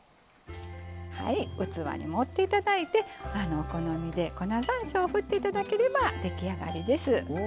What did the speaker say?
器に盛っていただいてお好みで粉ざんしょう振っていただければ出来上がりです。